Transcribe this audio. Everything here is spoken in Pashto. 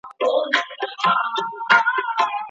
ولي محنتي ځوان د پوه سړي په پرتله لاره اسانه کوي؟